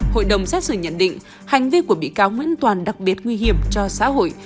hội đồng xét xử nhận định hành vi của bị cáo nguyễn toàn đặc biệt nguy hiểm cho xã hội